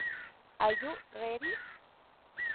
Ayu ready?